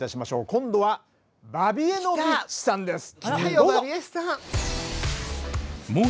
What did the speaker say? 今度はバビ江ノビッチさんです。